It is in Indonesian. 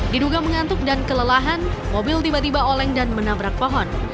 diduga mengantuk dan kelelahan mobil tiba tiba oleng dan menabrak pohon